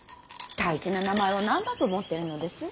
大事な名前を何だと思ってるのです。